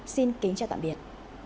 xin kính chào tạm biệt